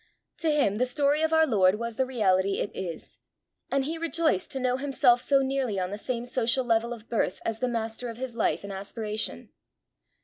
To him the story of our Lord was the reality it is, and he rejoiced to know himself so nearly on the same social level of birth as the Master of his life and aspiration.